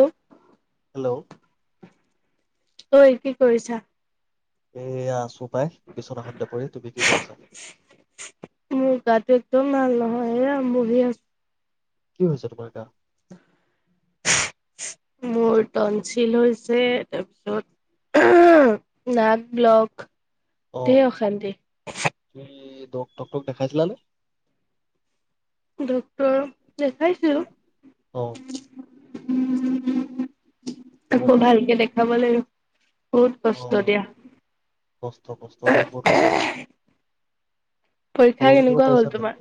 ঐ হেল্ল' ঐ কি কৰিছা? এয়া আছোঁ। পাই বিচনাখনতে পৰি তুমি কি কৰিছা? নাল নহয় এয়া বহি আছো কি হৈছে তোমাৰ গা? মোৰ তনচিল হৈছে তাৰপিছত নাক ব্লক অ দে অশান্তি ডক্টৰক দেখাইছিলানে? ডক্টৰ দেখাইছো অ উম তোমাক আকৌ ভালকে দেখাব লাগিব। বহুত অ কষ্ট দিয়া কষ্ট কষ্ট দেই বহুত কষ্ট খাব পৰীক্ষা মেলিব কেনেকুৱা পাৰিছা হ'ল নাই তোমাৰ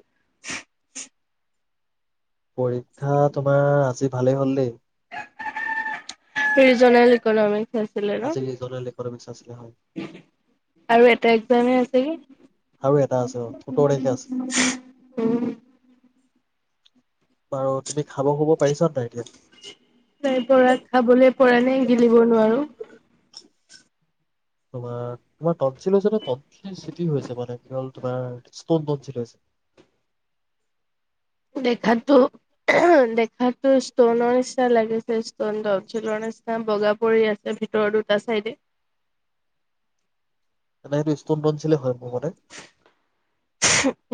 পৰীক্ষা তোমাৰ আজি ভালেই হ'ল দেই ৰিজনেল ইকনামি আছিলে ন আজি ৰিজনেল ইকনমিক্স আছিলে হয় আৰু এটা একজামে আছে গে আৰু এটা আছে অ সোতৰ তাৰিখে আছে উম বাৰু তুমি খাব শুব পাৰিছা নাই এতিয়া নাই পৰা খাবলে পৰা নাই গিলিব নোৱাৰো। তোমাৰ তোমাৰ তটছিল হৈছে নে তট। [unintelligible] তোমাৰ ইষ্টন তনছিল হৈছে দেখাতো দেখাতো ষ্টনৰ নিচিনা লাগিছে ষ্টন তনচিলৰ নিচিনা বগা পৰি আছে ভিতৰৰ দুটা চাইডে তেনে সেইটো ষ্টনতনশিলেই হয় মোৰ মতে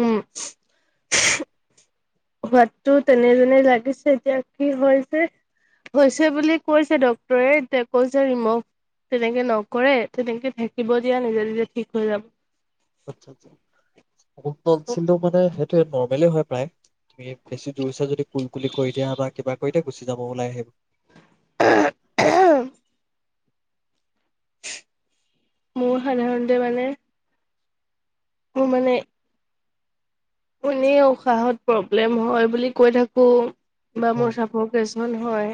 উম সোৱাদটো তেনে যেনে লাগিছে এতিয়া কি হৈছে হৈছে বুলি কৈছে ডক্তৰে এতিয়া কৈছে ৰিমভ তেনেকে নকৰে তেনেকে থাকিব দিয়া নিজে নিজে ঠিক হৈ যাব। আচ্ছা আচ্ছা অল সিন্ধু মানে নৰ্মলে হয় প্ৰায় তুমি বেছি জোৰছে যদি কোন কুলি কৰি দিয়া বা কিবা কৰি গুচি যাব ওলাই আহিব মোৰ সাধাৰণতে মানে মোৰ মানে কোনেও উশাহত প্ৰব্লেম হয় বুলি কৈ থাকো। বা মোৰ অ', চাপৰ কিছুমান হয়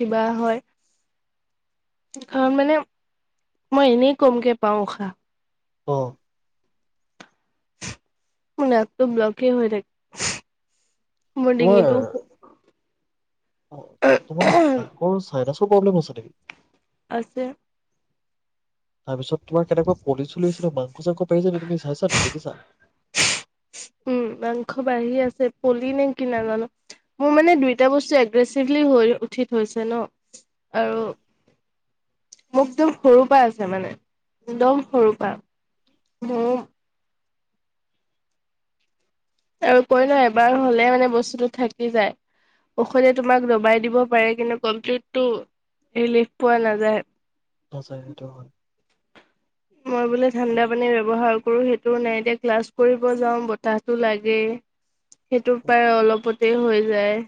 কিবা হয় কাৰণ মানে মই এনেই কমকে পাওঁ উশাহ অ মোৰ নাকটো ব্লকে হৈ থাক মোৰ তোমাৰ ডিঙিটো সাইনাছৰ প্ৰব্লেম হৈছে নেকি? আছে তাৰপিছত তোমাৰ কেনেুকোৱা পলি চলি নিচিনা মাংস চাংখ পাৰিছানে তুমি চাইছানে দেখিছা‌? উম মাংস বাঢ়ি আছে পলি নে কি নাজানো মোৰ মানে দুইটা বস্তু এগ্ৰেচিভলি হৈ উঠি থৈছে ন আৰু মোক একদম সৰু পৰা আছে মানে একদম সৰু পৰা মোৰ আৰু কৈ ন এবাৰ হলে মানে বস্তুটো থাকি যায় ঔষধে তোমাক দবাই দিব পাৰে কিন্তু কমপ্লিটো ৰিলিফ পোৱা নাযায় । নাযায়টো সেইটো হয়। মই বোলে ঠাণ্ডা পানী ব্যৱহাৰ কৰো সেইটো নাই এতিয়া ক্লাছ কৰিব যাও বতাহটো লাগে সেইটোৰ পৰা অলপ হৈ যায়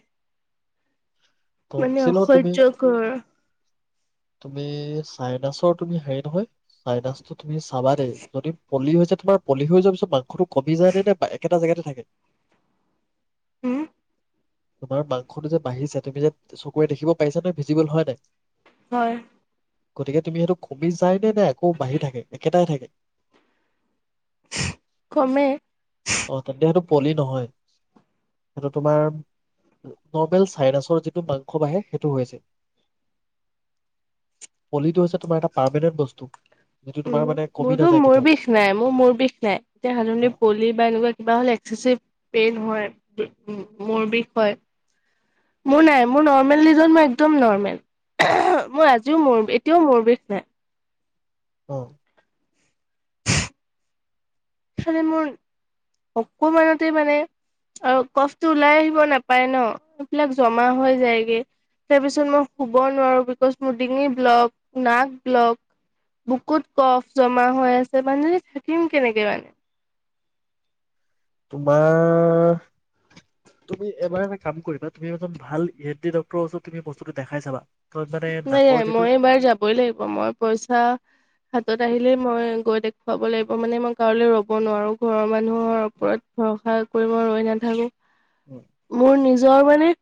মানে তনচিলৰ তুমি অসহ্য কৰ তুমি চাইনাছৰ তুমি হেৰি নহয় চাইনাচটো তুমি চাবা দেই যদি পলি হয় তোমাৰ পলি হৈ যোৱাৰ পিছত মাংসটো কমি যায় নে নে একেটা জেগাতে থাকে- উম তোমাৰ মাংসটো যে বাঢ়িছে তুমি যে চকুৰে দেখিব পাইছ ন ভিজিবল হয় নাই হয় গতিকে তুমি সেইটো কমি যায় নে নে আকৌ বাঢ়ি থাকে একেটাই থাকে কমে অ তেন্তে সেইটো পলি নহয় সেইটো তোমাৰ নৰ্মেল চাইনাছৰ যিটো মাংস বাঢ়ে সেইটো হৈছে পলিটো হৈছে তোমাৰ এটা পাৰমানেণ্ট বস্তু, যিটো উ তোমাৰ মানে কমি মোৰতো নাযায় মোৰ কেতিয়াও বিষ নাই মোৰ মোৰ বিষ নাই এতিয়া অ হালনি পলি বা এনেকুৱা কিবা হ'লে এক্চেচিভ পেইন হয় মোৰ বিষ হয় মোৰ নাই মোৰ নৰ্মেল লিজন মই একদম নৰ্মেল মই আজিও মোৰ বিষ এতিয়াও মোৰ বিষ নাই । অ সালে মোৰ অকমানতে মানে আৰু কফটো ওলাই আহিব নাপায় ন এইবিলাক জমা হৈ যায়গে তাৰপিছত মই শুব নোৱাৰো বিকজ মোৰ ডিঙি ব্লক নাক ব্লক বুকুত কফ জমা হৈ আছে মানুহজনী থাকিম কেনেকে মানে, তোমাৰ তুমি এবাৰ এটা কাম কৰিবা তুমি এজন ভাল ই‌ ডি ডক্টৰ ওচৰত তুমি বস্তুটো দেখাই চাবা । নাই নাই মই এবাৰ যাবই লাগিব মই পইচা হাতত আহিলেই মই গৈ দিম খুৱাব লাগিব মানে মই কাৰলৈ ৰ'ব নোৱাৰো ঘৰৰ মানুহৰ উম, ওপৰত ভৰসা কৰিবই ৰৈ নাথাকোঁ উম, মোৰ নিজ যৰ মানে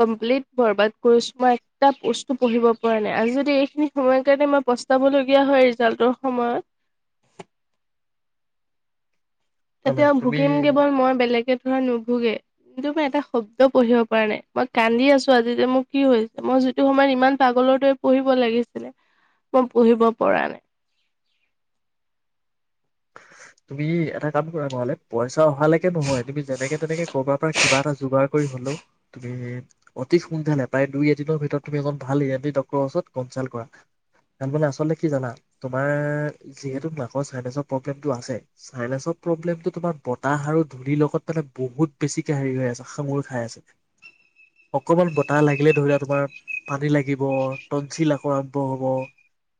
কপ্লিট বৰবাদ কৰিছো মই এটা বস্তু পঢ়িব পৰা নাই আজি য এইখিনি সময় কাৰে পস্তাবলীয়া হয় ৰিজাল্ট সময়ত মানে কেতিয়াও ভুকিম তুমি কেৱল মই বেলেগে ধৰা নুভোগে কিন্তু মই এটা শব্দ পঢ়িব পৰা নাই মই কান্দি আছো আজি যে মোৰ কি হৈছে মই যিটো সময়ত ইমান পাগলৰ দৰে পঢ়িব লাগিছিলে মই পঢ়িব পৰা নাই । তুমি এটা কাম কৰা নহলে পইচ অহালৈকে নহয়। তুমি যেনেকে - তেনেকে কৰবাৰ পৰা কিবা এটা যোগাৰ কৰি হ'লেও, তুমি অতি সোনকালে প্ৰায় দুই-এদিনৰ ভিতৰত তুমি এজন ভাল ই এন টি ডক্টৰৰ ওচৰত কনছাল্ট কৰা । তাৰমানে আচলতে কি জানা? তোমাৰ যিহেতু নাকৰ ছাইনাছৰ প্ৰব্লেমটো আছে। ছাইনাছৰ প্ৰব্লেমটো তোমাৰ বতাহ আৰু ধূলিৰ লগত মানে বহুত বেছিকে হেৰি হৈ আছে- সাঙোৰ খাই আছে । অকমান বতাহ লাগিলে ধৰি লোৱা তোমাৰ পানী লাগিব, টনঞ্চিল আকৌ আৰম্ভ হব।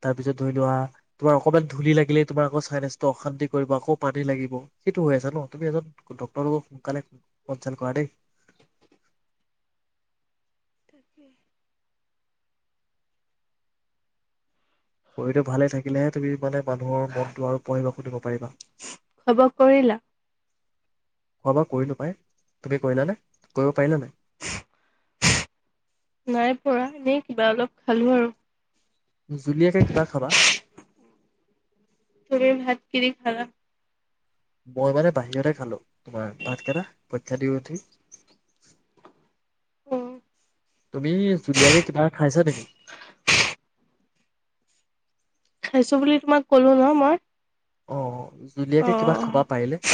তাৰপিছত ধৰি লোৱা, তোমাৰ অকণমান ধূলি লাগিলে তোমাৰ আকৌ ছাইনাছ তো অশান্তি কৰিব, আকৌ পানী লাগিব । সেইটো হৈ আছে ন'? তুমি এজন ডক্টৰৰ লগত সোনকালে কনছাল্ট কৰা দেই। উম। শৰীৰটো ভালে থাকিলেহে তুমি মানে মানুহৰ মনটো আৰু পঢ়িব-শুনিব পাৰিবা। খোৱা বোৱা কৰিলা? খোৱা-বোৱা কৰিলোঁ পাই । তুমি কৰিলা নে? কৰিব পাৰিলান নাই? নাই পৰা। এনেই কিবা অলপ খালোঁ আৰু। জুলীয়াকে কিবা খাবা? হেল্ল'? মই মানে বাহিৰতে খালোঁ, তোমাৰ ভাতকেটা পৰীক্ষা দি উঠি। অ'। তুমি জুলীয়াকে কিবা খাইছা নেকি? খাইছোঁ বুলি তোমাক কলো ন' মই। অ' অ'। জুলীয়াকে কিবা খাবা পাৰিলে।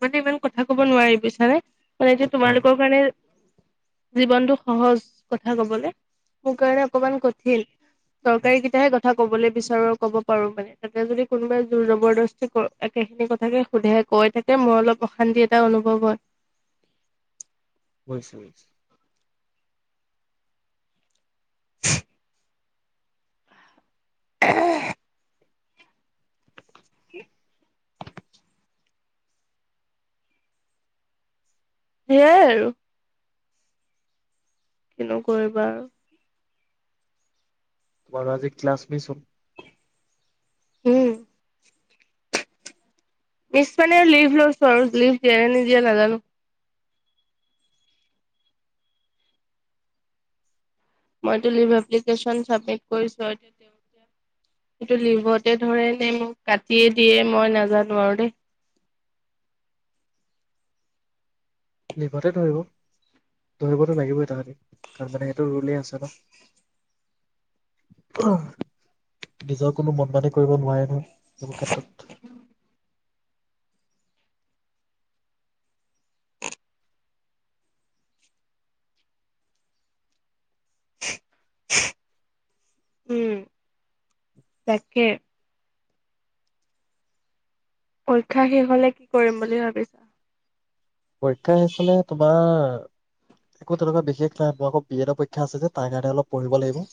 মানে ইমান কথা ক'ব নোৱাৰি, বুইছানে? মানে এতিয়া তোমাৰ অ লোকৰ কাৰণে জীৱনটো সহজ, কথা কবলে । মোৰ কাৰণে অকমান কঠিন। দৰকাৰীকিটাহে কথা ক'বলৈ বিচাৰোঁ আৰু ক'ব পাৰোঁ মানে । তাতে যদি কোনোবাই জোৰ-জবৰদস্তি ক- একেখিনি কথাকে সোধে কৈ থাকে, মোৰ অলপ অশান্তি এটা অনুভৱ হয়। বুইছোঁ - বুইছোঁ। [unintelligible] উম কি? সেয়াই আৰু। কিনো কৰিবা আৰু। তোমাৰ আজি ক্লাছ মিছ হ'ল। উম। মিছ মানে লিভ লৈছোঁ আৰু । লিভ দিয়ে নে নিদিয়ে নাজানোঁ। মইতো এপ্লিকেছন চাবমিত কৰিছোঁ । এতিয়া তেওঁলোকে এইটো লিভতে ধৰে নে মোক কাটিয়ে দিয়ে, মই নাজানোঁ আৰু দেই। লিভতে ধৰিব। ধৰিবতো লাগিবএ তাহাতি । কাৰণ মানে সেইটো ৰুলে আছে ন'। নিজৰ কোনো মন-মানি কৰিব নোৱাৰে নহয়। এইবোৰ ক্ষেত্ৰত। উম । তাকে। পৰীক্ষা শেষ হ'লে কি কৰিম বুলি ভাবিছা? পৰীক্ষা শেষ হ'লে তোমাৰ একো তেনেকুৱা বিশেষ নাই । মোৰ আকৌ বি এডৰ পৰীক্ষা আছে যে, তাৰ কাৰণে অলপ পঢ়িব লাগিব।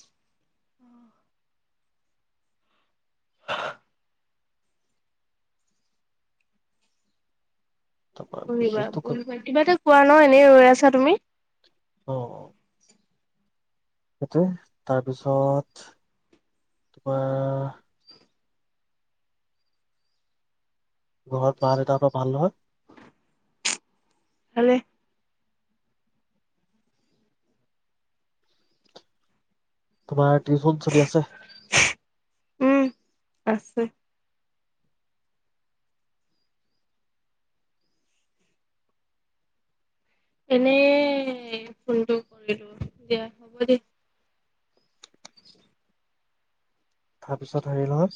তাৰপৰা পঢ়িবা - বিশেষতো পঢ়িবা । কিবা এটা কোৱা ন', এনেই ৰৈ আছা তুমি। এইটোৱে। তাৰপিছত কিবা ঘৰত মা-দেউতা পুৰা ভাল, নহয়? ভালে। তোমাৰ টিউশন চলি আছে? উম, আছে। এনে ফোনটো কৰিলো দিয়া হ'ব দিয়া উ তাৰপিছত হেৰি লওঁ